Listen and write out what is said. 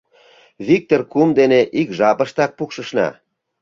— Виктыр кум дене ик жапыштак пукшышна.